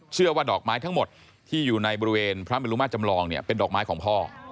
เชื่อว่าดอกไม้ทั้งหมดที่อยู่ในบริเวณพระมิลุมาตรจำลองเนี่ยเป็นดอกไม้ของพ่อ